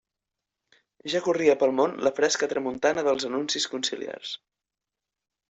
Ja corria pel món la fresca tramuntana dels anuncis conciliars.